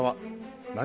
何？